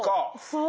そう！